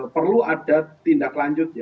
perlu ada tindak lanjut